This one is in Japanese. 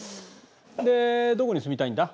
でどこに住みたいんだ？